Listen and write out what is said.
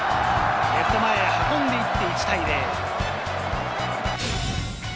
レフト前へ運んで１対０。